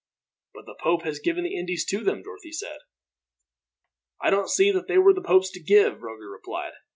"But the pope has given the Indies to them," Dorothy said. "I don't see that they were the pope's to give," Roger replied.